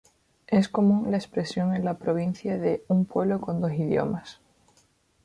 Es común la expresión en la provincia de "un pueblo con dos idiomas".